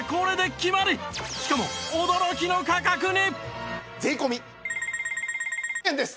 しかも驚きの価格に